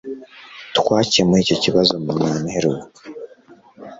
Twakemuye icyo kibazo mu nama iheruka